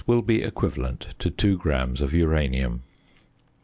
will be equivalent to 2 grams of uranium.